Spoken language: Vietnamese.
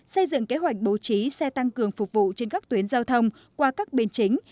xây dựng kế hoạch bố trí xe tăng cường phục vụ trên các tuyến giao thông qua các bên chính